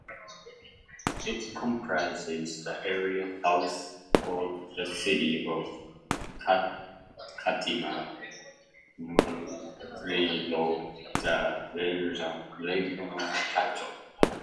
It comprises the area south of the city of Katima Mulilo, the regional capital.